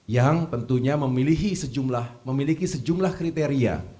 yang tentunya memiliki sejumlah kriteria